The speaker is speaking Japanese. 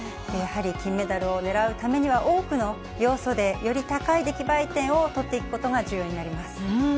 やはり金メダルを狙うためには、多くの要素で、より高い出来栄え点を取っていくことが重要になります。